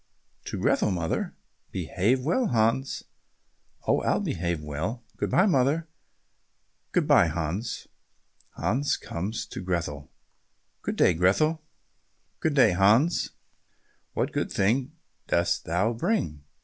"To Grethel, mother." "Behave well, Hans." "Oh, I'll behave well. Good bye, mother." "Good bye, Hans." Hans comes to Grethel. "Good day, Grethel." "Good day, Hans. What good thing dost thou bring?"